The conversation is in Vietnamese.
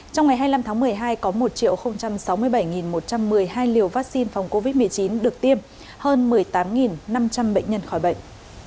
trong ngày hai mươi năm tháng một mươi hai có một sáu mươi bảy một trăm một mươi hai liều vaccine phòng covid một mươi chín được tiêm hơn một mươi tám năm trăm linh bệnh nhân khỏi bệnh